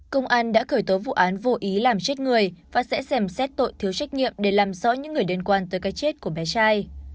công an đã khởi tố vụ án vô ý làm chết người và sẽ xem xét tội thiếu trách nhiệm để làm rõ những người liên quan tới cái chết của bé trai